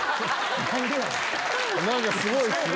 何かすごいっすね。